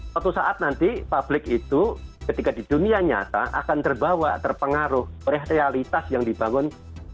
suatu saat nanti publik itu ketika di dunia nyata akan terbawa terpengaruh oleh realitas yang dibangun